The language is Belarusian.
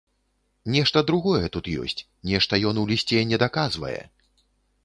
Нешта другое тут ёсць, нешта ён у лісце недаказвае.